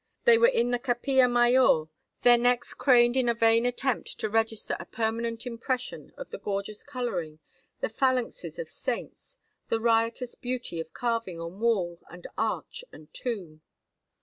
They were in the Capilla Mayor, their necks craned in a vain attempt to register a permanent impression of the gorgeous coloring, the phalanxes of saints, the riotous beauty of carving on wall and arch and tomb.